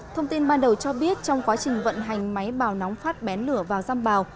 thông tin ban đầu cho biết trong quá trình vận hành máy bào nóng phát bén lửa vào giam bào